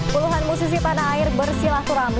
puluhan musisi panah air bersilah kurang